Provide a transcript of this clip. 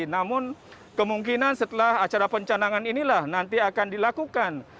namun kemungkinan setelah acara pencanangan inilah nanti akan dilakukan